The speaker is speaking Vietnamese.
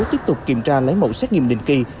tiếp tục kiểm tra lấy mẫu xét nghiệm định kỳ